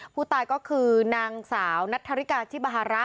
ผู้ตายก็คือนางสาวนัทธริกาชิบาระ